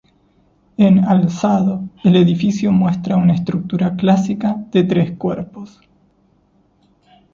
En alzado, el edificio muestra una estructura clásica de tres cuerpos.